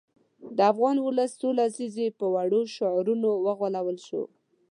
د افغان ولس څو لسیزې په وړو شعارونو وغولول شو.